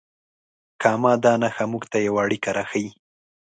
کامه دا نښه موږ ته یوه اړیکه راښیي.